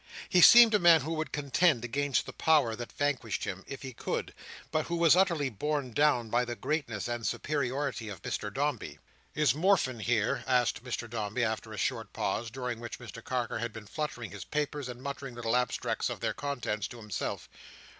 He seemed a man who would contend against the power that vanquished him, if he could, but who was utterly borne down by the greatness and superiority of Mr Dombey. "Is Morfin here?" asked Mr Dombey after a short pause, during which Mr Carker had been fluttering his papers, and muttering little abstracts of their contents to himself.